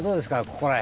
ここら辺。